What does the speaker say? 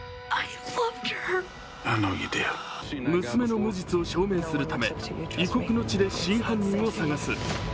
娘の無実を証明するため異国の地で真犯人を捜す。